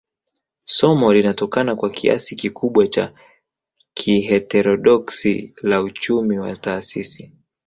Somo linatokana kwa kiasi kikubwa na kiheterodoksi la uchumi wa taasisi